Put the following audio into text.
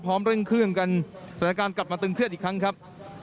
เร่งเครื่องกันสถานการณ์กลับมาตึงเครียดอีกครั้งครับ